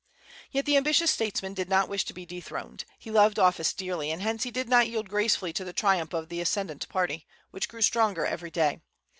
Yet the ambitious statesman did not wish to be dethroned. He loved office dearly, and hence he did not yield gracefully to the triumph of the ascendent party, which grew stronger every day.